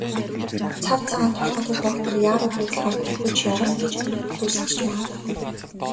Цав цагаан толгойтой доктор яаруу дуудлагаар давхиж явна гэж дүрсэлж ч магадгүй.